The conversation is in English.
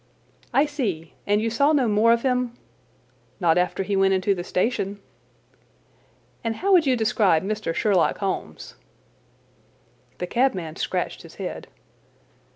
"I see. And you saw no more of him?" "Not after he went into the station." "And how would you describe Mr. Sherlock Holmes?" The cabman scratched his head.